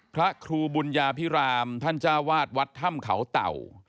พระครูบุญญาพิรามท่านจ้าวาดวัดถ้ำเขาเต่า